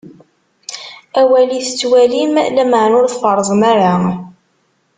Awali tettwalim, lameɛna ur tfeṛṛzem ara.